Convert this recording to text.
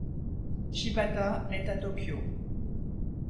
Shibata naît à Tokyo.